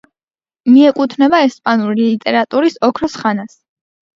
მიეკუთვნება ესპანური ლიტერატურის „ოქროს ხანას“.